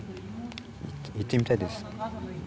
行ってみたいです